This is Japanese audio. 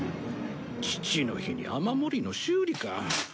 父の日に雨漏りの修理か。